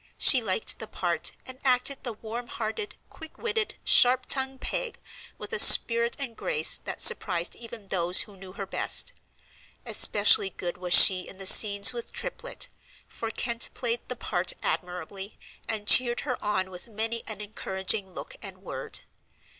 She liked the part, and acted the warm hearted, quick witted, sharp tongued Peg with a spirit and grace that surprised even those who knew her best. Especially good was she in the scenes with Triplet, for Kent played the part admirably, and cheered her on with many an encouraging look and word.